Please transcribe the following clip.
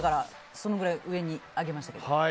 そのくらい上にあげました。